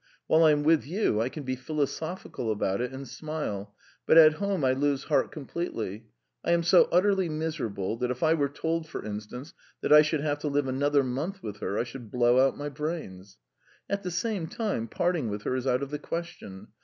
While I'm with you I can be philosophical about it and smile, but at home I lose heart completely; I am so utterly miserable, that if I were told, for instance, that I should have to live another month with her, I should blow out my brains. At the same time, parting with her is out of the question.